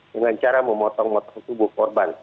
dengan cara memotong motong tubuh korban